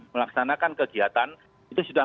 melaksanakan kegiatan itu sudah